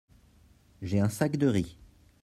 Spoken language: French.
J'ai un sac de riz.